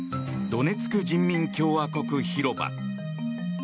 ドネツク人民共和国広場。